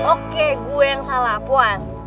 oke gue yang salah puas